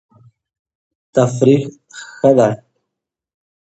تفریح ښه دی.